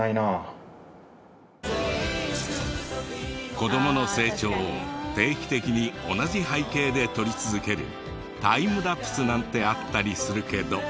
子どもの成長を定期的に同じ背景で撮り続けるタイムラプスなんてあったりするけど。